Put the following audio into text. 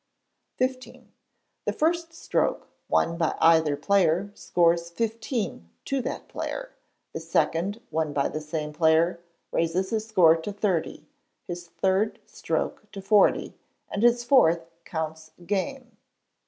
xv. The first stroke won by either player scores 15 to that player; the second, won by the same player, raises his score to 30, his third stroke to 40, and his fourth counts game.